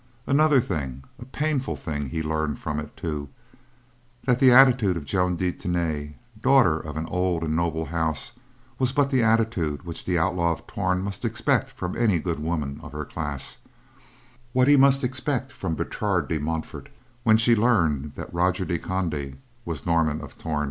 Another thing, a painful thing he had learned from it, too, that the attitude of Joan de Tany, daughter of an old and noble house, was but the attitude which the Outlaw of Torn must expect from any good woman of her class; what he must expect from Bertrade de Montfort when she learned that Roger de Conde was Norman of Torn.